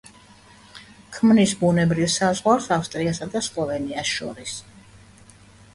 ქმნის ბუნებრივ საზღვარს ავსტრიასა და სლოვენიას შორის.